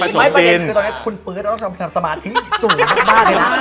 ไม่ประเด็นคือตอนนี้คุณปื๊ดต้องทำสมาธิสูงมากเลยนะ